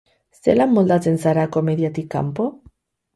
Zelan moldatzen zara komediatik kanpo?